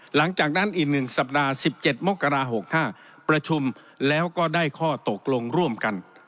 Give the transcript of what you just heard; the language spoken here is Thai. หลังจากนั้นอีกหนึ่งสัปดาห์สิบเจ็ดมกราหกห้าประชุมแล้วก็ได้ข้อตกลงร่วมกัน